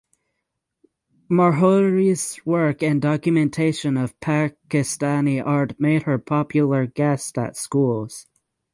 Marjorie’s work and documentation of Pakistani art made her popular guest at schools.